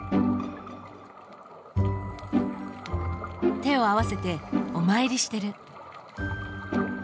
手を合わせてお参りしてる。